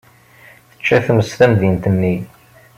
Tečča tmes tamdint-nni.